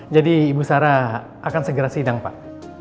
jadi ibu sarah akan segera sidang pak